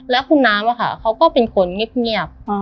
แล้วคุณน้ำเขาก็เป็นคนเงียบ